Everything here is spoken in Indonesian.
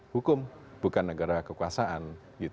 hukum bukan negara kekuasaan